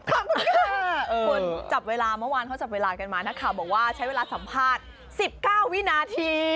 คุณจับเวลาเมื่อวานเขาจับเวลากันมานักข่าวบอกว่าใช้เวลาสัมภาษณ์๑๙วินาที